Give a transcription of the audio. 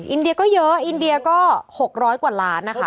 อินเดียก็เยอะอินเดียก็๖๐๐กว่าล้านนะคะ